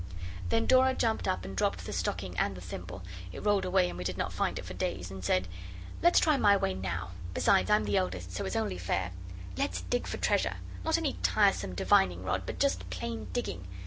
Then Dora jumped up and dropped the stocking and the thimble (it rolled away, and we did not find it for days), and said 'Let's try my way now. Besides, I'm the eldest, so it's only fair. Let's dig for treasure. Not any tiresome divining rod but just plain digging.